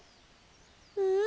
うん？